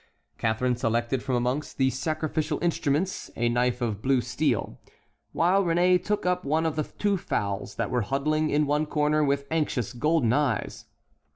Catharine selected from amongst the sacrificial instruments a knife of blue steel, while Réné took up one of the two fowls that were huddling in one corner, with anxious, golden eyes.